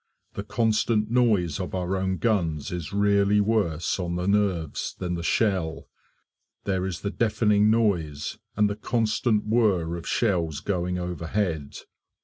The constant noise of our own guns is really worse on the nerves than the shell; there is the deafening noise, and the constant whirr of shells going overhead.